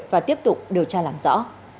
và tiếp tục điều tra làm rõ